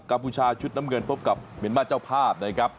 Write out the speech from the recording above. พูชาชุดน้ำเงินพบกับเมียนมาร์เจ้าภาพนะครับ